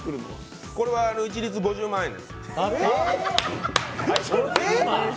これは一律５０万円です。